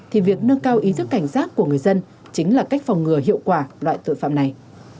thì việc nâng cao ý thức cảnh giác của người dân chính là cách phòng ngừa hiệu quả loại tội phạm này